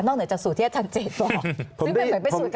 นอกเหนือจากสูตรเทียดทางจิตบอก